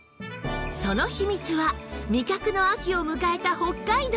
その秘密は味覚の秋を迎えた北海道に